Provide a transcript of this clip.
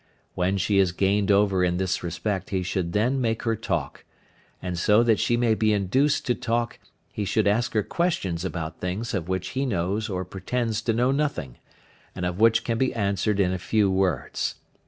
When she is gained over in this respect he should then make her talk, and so that she may be induced to talk he should ask her questions about things of which he knows or pretends to know nothing, and which can be answered in a few words.